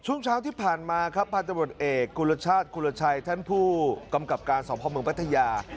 ช่วงเช้าที่ผ่านมาครับพันธบทเอกกุลชาติกุลชัยท่านผู้กำกับการสอบพ่อเมืองพัทยา